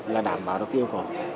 là đảm bảo được yêu cầu